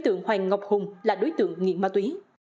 đối tượng hoàng ngọc hùng là đối tượng nghiện ma túy